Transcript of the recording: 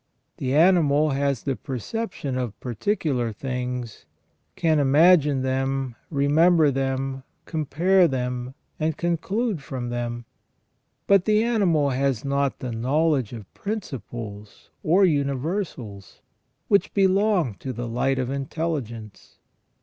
The animal has the per ception of particular things ; can imagine them, remember them, compare them, and conclude from them ; but the animal has not the knowledge of principles or universals, which belong to the light of intelligence.